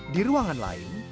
di ruangan lain